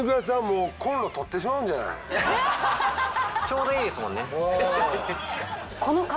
ちょうどいいですもんね。